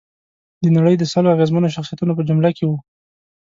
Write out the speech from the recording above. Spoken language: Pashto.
د نړۍ د سلو اغېزمنو شخصیتونو په جمله کې وه.